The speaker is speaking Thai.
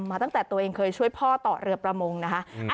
ตั้งแต่ตัวเองเคยช่วยพ่อต่อเรือประมงนะคะ